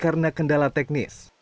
berarti karena kendala teknis